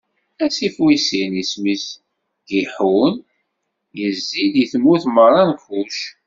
Asif wis sin isem-is Giḥun, izzi-d i tmurt meṛṛa n Kuc.